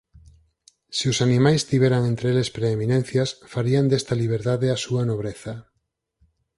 Se os animais tiveran entre eles preeminencias, farían desta liberdade a súa nobreza.